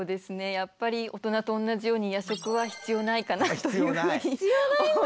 やっぱり大人と同じように夜食は必要ないかなというふうに思いますね。